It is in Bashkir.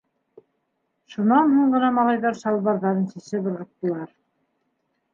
Шунан һуң ғына малайҙар салбарҙарын сисеп ырғыттылар.